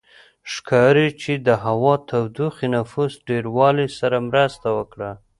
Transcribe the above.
ښکاري چې د هوا تودوخې نفوس ډېروالي سره مرسته وکړه